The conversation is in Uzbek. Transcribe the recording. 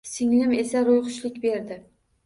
Singlim esa ro`yxushlik berdi